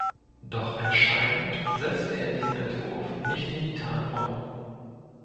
Doch anscheinend setzte er diesen Entwurf nicht in die Tat um.